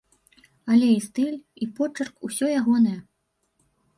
Але і стыль, і почырк усё ягонае.